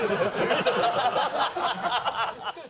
ハハハハ！